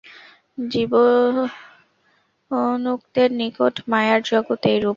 জীবন্মুক্তের নিকট মায়ার জগৎ এইরূপ।